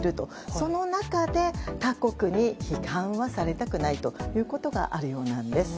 その中で他国に批判をされたくないというのがあるようなんです。